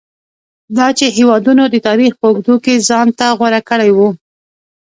دا چې هېوادونو د تاریخ په اوږدو کې ځان ته غوره کړي وو.